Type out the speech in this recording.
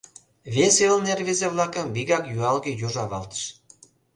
Вес велне рвезе-влакым вигак юалге юж авалтыш.